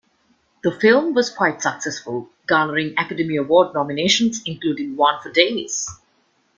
The film was quite successful, garnering Academy Award nominations, including one for Davis.